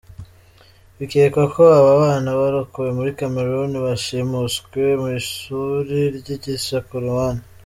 Bikekwa ko abo bana barokowe muri Cameroon bashimuswe mu ishuri ryigisha Korowani.